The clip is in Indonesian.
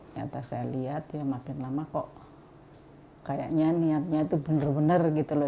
nyata saya lihat ya makin lama kok kayaknya niatnya itu bener bener gitu loh